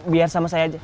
biar sama saya aja